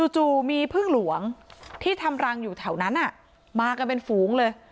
จู่มีพึ่งหลวงที่ทำรังอยู่แถวนั้นมากันเป็นฝูงเลย